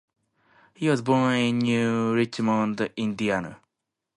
He was born in New Richmond, Indiana.